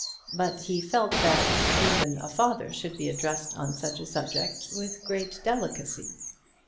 But he felt that even a father should be addressed on such a subject with great delicacy.